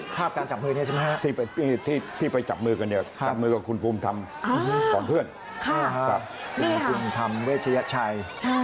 ภาพการจับมือนี้ใช่ไหมครับที่ไปจับมือกันเนี่ยจับมือกับคุณภูมิธรรมก่อนเพื่อนกับคุณธรรมเวชยชัย